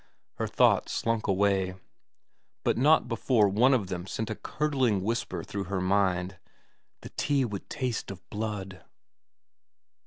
... Her thoughts slunk away ; but not before one of them had sent a curdling whisper through her mind, ' The tea would taste of blood.'